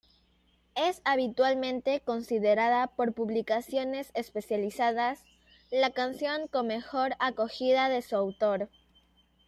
Es habitualmente considerada, por publicaciones especializadas, la canción con mejor acogida de su autor.